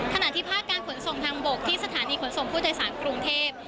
ขณะที่ภาคการขนส่งทางบกที่สถานีขนส่งผู้โดยสารกรุงเทพ